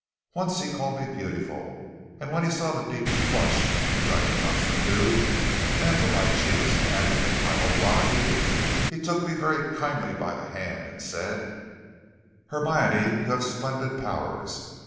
Once he called me beautiful, and when he saw the deep flush, which I could not subdue, mantle my cheeks and agitate my whole body, he took me very kindly by the hand, and said: "'Hermione, you have splendid powers.